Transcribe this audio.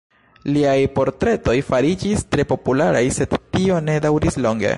Liaj portretoj fariĝis tre popularaj, sed tio ne daŭris longe.